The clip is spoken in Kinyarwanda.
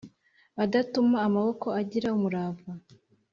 adatuma amaboko agira umurava